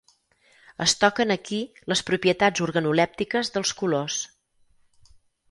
Es toquen aquí les propietats organolèptiques dels colors.